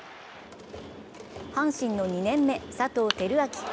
阪神の２年目・佐藤輝明。